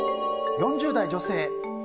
４０代女性。